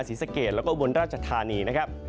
ศรีสะเกรย์บึงกับอุบลรัชธานีนะครับ